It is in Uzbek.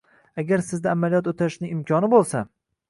agar sizda amaliyot oʻtashning imkoni boʻlsa